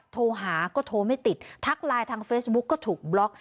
โทรหาก็โทรไม่ติดทักไลน์ทางเฟซบุ๊กก็ถูกบล็อก